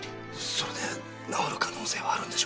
それで治る可能性はあるんでしょうか？